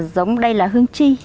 giống đây là hương chi